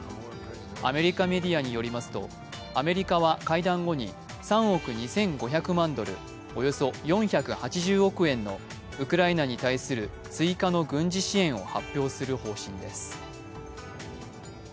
アメリカメディアによりますとアメリカは会談後に３億２５００万ドル＝およそ４８０億円のウクライナに対する追加の軍事支援を発表する方針です。